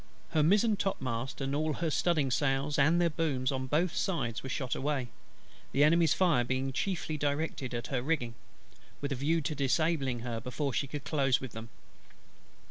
Her mizen topmast, and all her studding sails and their booms, on both sides were shot away; the Enemy's fire being chiefly directed at her rigging, with a view to disable her before she could close with them.